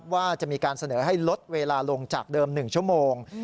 ว่าจะมีการเสนอให้ลดเวลาลงจากเดิม๑ชั่วโมง